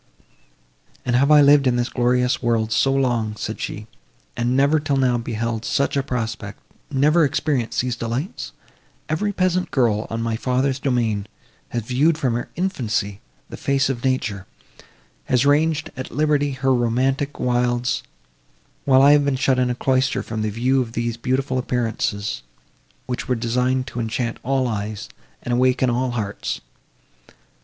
"And have I lived in this glorious world so long," said she, "and never till now beheld such a prospect—never experienced these delights! Every peasant girl, on my father's domain, has viewed from her infancy the face of nature; has ranged, at liberty, her romantic wilds, while I have been shut in a cloister from the view of these beautiful appearances, which were designed to enchant all eyes, and awaken all hearts.